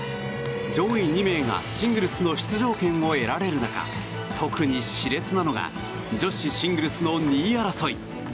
上位２名がシングルスの出場権を得られる中特に熾烈なのが女子シングルスの２位争い。